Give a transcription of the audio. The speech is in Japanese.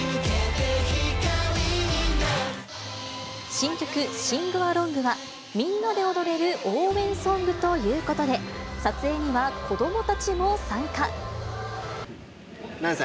新曲、シングアロングは、みんなで踊れる応援ソングということで、撮影には子どもたちも参何歳？